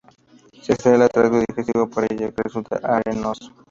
Se extrae el tracto digestivo por ella, que resulta arenoso.